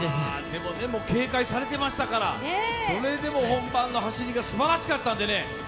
でも警戒されてましたから、それでも本番の走りがすばらしかったんで。